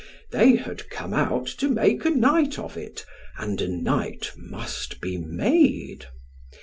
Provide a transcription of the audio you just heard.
They had come out to make a night of it : and a night must be made.